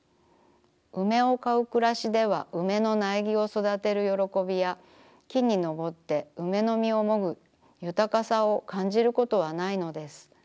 梅を買うくらしでは梅の苗木を育てるよろこびや木に登って梅の実をもぐゆたかさを感じることはないのです。